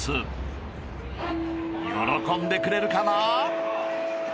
［喜んでくれるかな？］